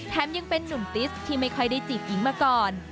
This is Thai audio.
ยังเป็นนุ่มติสที่ไม่ค่อยได้จีบหญิงมาก่อน